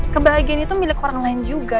kebahagiaan itu milik orang lain juga